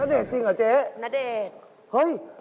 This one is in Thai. ณเดชน์จริงเหรอเจ๊ณเดชน์เฮ้ย